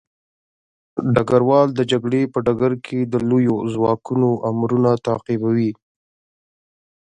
ډګروال د جګړې په ډګر کې د لويو ځواکونو امرونه تعقیبوي.